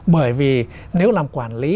bởi vì nếu làm quản lý